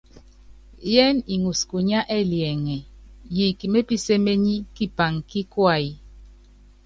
Yɛ́n iŋɔs kunyá ɛliɛŋɛ, yiik mepíséményí kipaŋ kí kuay.